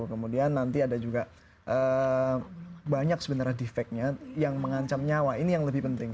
kemudian nanti ada juga banyak sebenarnya defect nya yang mengancam nyawa ini yang lebih penting